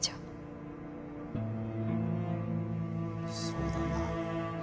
そうだな。